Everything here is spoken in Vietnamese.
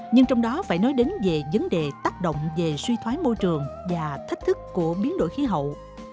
nhưng trong đó phải nói đến về vấn đề tác động về suy thoái môi trường và thách thức của biến đổi khí hậu